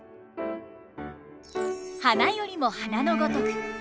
「花よりも花の如く」。